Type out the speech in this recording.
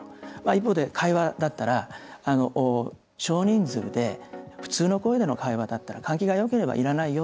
会話だったら、少人数で普通の声での会話だったら換気がよければいらないよ。